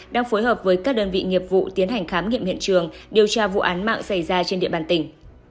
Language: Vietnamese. đang phối hợp với các đơn vị nghiệp vụ tiến hành khám nghiệm hiện trường điều tra vụ án mạng xảy ra trên địa bàn tỉnh